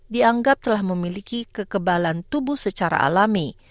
dianggap telah memiliki kekebalan tubuh secara alami